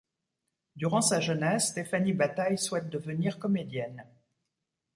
Durant sa jeunesse, Stéphanie Bataille souhaite devenir comédienne.